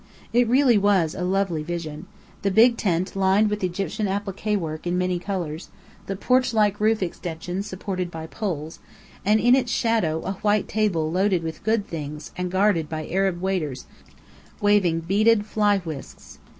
It really was a lovely vision: the big tent lined with Egyptian appliqué work in many colors, the porchlike roof extension supported by poles, and in its shadow a white table loaded with good things and guarded by Arab waiters waving beaded fly whisks.